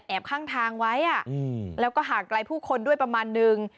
ข้างทางไว้แล้วก็ห่างไกลผู้คนด้วยประมาณนึง